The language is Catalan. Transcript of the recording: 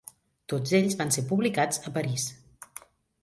Tots ells van ser publicats a París.